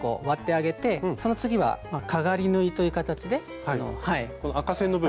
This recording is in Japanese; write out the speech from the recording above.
割ってあげてその次はかがり縫いという形ではい。